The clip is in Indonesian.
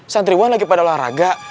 santriwan lagi pada olahraga